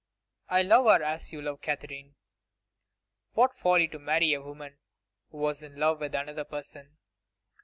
I love her as you love Katherine. What folly to marry a woman who was in love with another person!